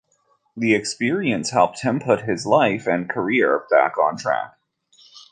The experience helped him put his life and career back on track.